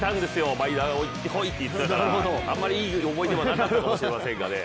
マイナー来いって言ってたからあんまりいい思い出はなかったかもしれませんがね。